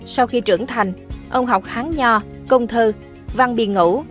sau khi trưởng thành ông học hán nho công thơ văn biên ngũ